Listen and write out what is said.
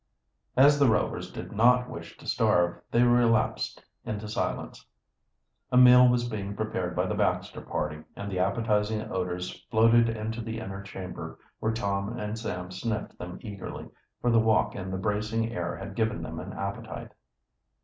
As the Rovers did not wish to starve, they relapsed into silence. A meal was being prepared by the Baxter party, and the appetizing odors floated into the inner chamber, where Tom and Sam sniffed them eagerly, for the walk and the bracing air had given them an appetite.